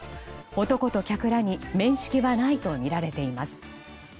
男と客らに面識はないとみられています。